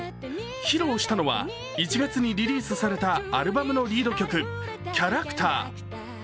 披露したのは、１月にリリースされたアルバムのリード曲「キャラクター」。